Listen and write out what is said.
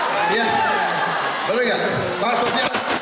maksudnya senior gue senior gue banyak disini nih